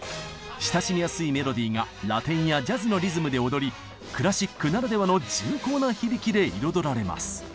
親しみやすいメロディーがラテンやジャズのリズムで踊りクラシックならではの重厚な響きで彩られます。